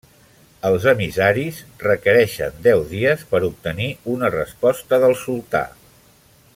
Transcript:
Els emissaris requereixen deu dies per obtenir una resposta del Sultà.